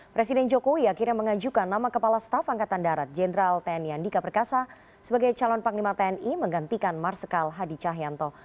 presiden jokowi akhirnya mengajukan nama kepala staf angkatan darat jenderal tni andika perkasa sebagai calon panglima tni menggantikan marsikal hadi cahyanto